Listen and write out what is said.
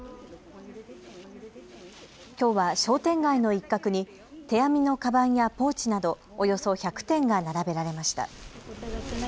きょうは商店街の一角に手編みのかばんやポーチなどおよそ１００点が並べられました。